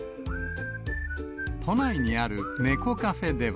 都内にある猫カフェでは。